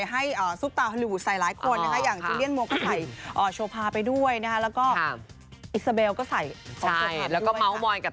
ให้ซุปตาฮัลโหลีบูธใส่หลายคนนะครับ